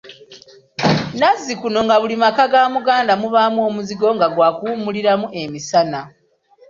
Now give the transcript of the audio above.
Nazzikuno nga buli maka ga Muganda mubaamu omuzigo nga gwakuwummuliramu emisana.